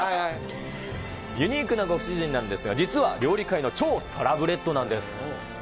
ユニークなご主人なんですが、実は料理界の超サラブレッドなんです。